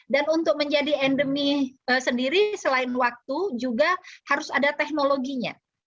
dan untuk menjadi endemi sendiri selain waktu juga harus ada teknologinya